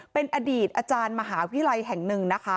เป็นอดีตอาจารย์มหาวิรายแหน่งหนึ่ง